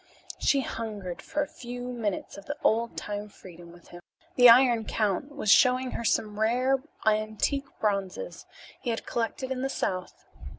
She hungered for a few minutes of the old time freedom with him. The Iron Count was showing her some rare antique bronzes he had collected in the south.